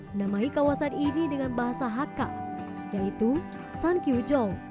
menamai kawasan ini dengan bahasa haka yaitu san kiu jong